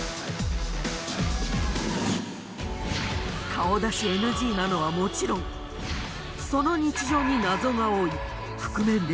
顔出しＮＧなのはもちろんその日常に謎が多い覆面レスラー。